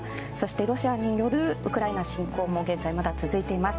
ロシアによるウクライナ侵攻も現在、まだ続いています。